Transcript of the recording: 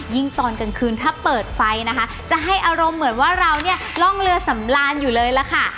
ตอนกลางคืนถ้าเปิดไฟนะคะจะให้อารมณ์เหมือนว่าเราเนี่ยร่องเรือสำราญอยู่เลยล่ะค่ะ